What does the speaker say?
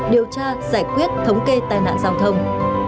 điều tra giải quyết thống kê tai nạn giao thông